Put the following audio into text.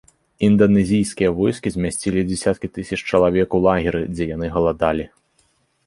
Інданезійскія войскі змясцілі дзясяткі тысяч чалавек у лагеры, дзе яны галадалі.